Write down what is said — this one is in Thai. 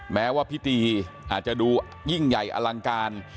แม้ว่าพิธีอาจจะดูยิ่งใหญ่อลังการ